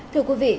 thưa quý vị